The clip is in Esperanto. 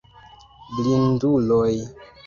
Blinduloj!